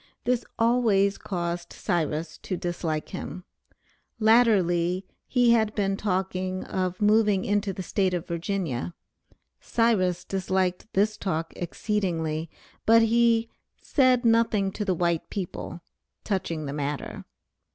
This always caused Cyrus to dislike him. Latterly he had been talking of moving into the State of Virginia. Cyrus disliked this talk exceedingly, but he "said nothing to the white people" touching the matter.